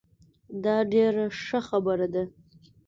دا ډیره ښه خبره ده